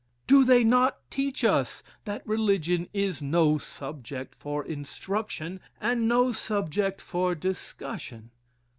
Do they not teach us that religion is no subject for instruction, and no subject for discussion?